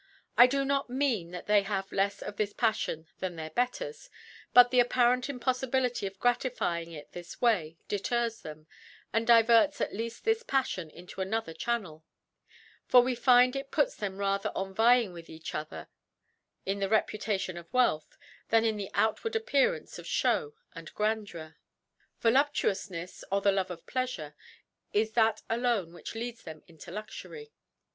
I do not mean chat they have lefs of this Paflion than their Betters ; bjt the appa rdnt Impoffibility of gratifying it this Way deters them^ and diverts at leaft this Paffion into another Channel ; for we find it puts them rather on vying with each other in the ' Reputation of Wealth, than in the outward Appearance of Show and Grandeur. Vo luptuoufnefs or the Love of Pleafure is that alone which leads them into Luxury.